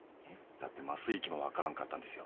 だって麻酔機も分からんかったんですよ。